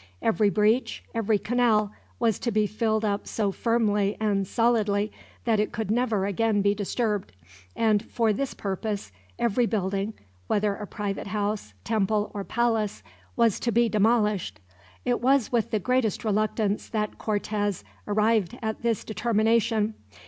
Every breach, every canal, was to be filled up so firmly and solidly that it could never again be disturbed; and for this purpose every building whether a private house, temple, or palace was to be demolished. It was with the greatest reluctance that Cortez arrived at this determination.